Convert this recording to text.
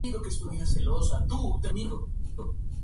Una chica muy activa y alegre que es la mejor amiga de Heroine.